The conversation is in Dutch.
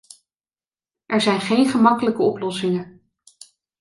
Er zijn geen gemakkelijke oplossingen.